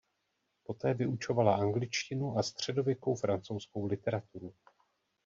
Poté vyučovala angličtinu a středověkou francouzskou literaturu.